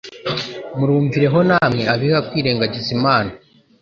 Murumvireho namwe abiha kwirengagiza Imana